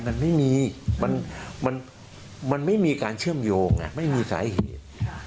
มันไม่มีมันไม่มีการเชื่อมโยงไม่มีสาเหตุ